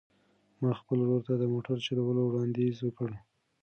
ما خپل ورور ته د موټر د چلولو وړاندیز وکړ.